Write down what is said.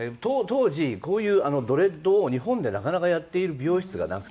当時こういうドレッドを日本でなかなかやっている美容室がなくて。